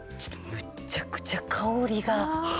むちゃくちゃ香りが。